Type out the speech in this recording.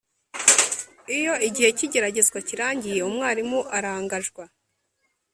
iyo igihe cy’igeragezwa kirangiye umwarimu arangajwa